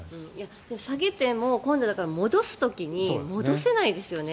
下げても今度、戻す時に戻せないですよね。